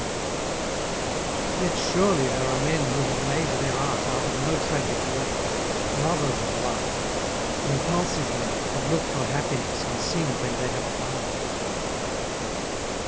HIC Yet surely there are men who have made their art Out of no tragic war, lovers of life, Impulsive men that look for happiness And sing when they have found it.